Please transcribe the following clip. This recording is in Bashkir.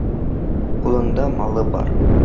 Ҡулында малы бар